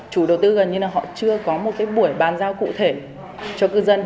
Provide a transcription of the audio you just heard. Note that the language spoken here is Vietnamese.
chủ đầu tư gần như là họ chưa có một buổi bàn giao cụ thể cho cư dân